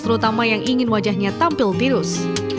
terutama yang ingin wajahnya tampil tirus